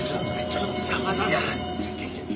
ちょっと邪魔だな。